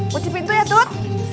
puji pintu ya tut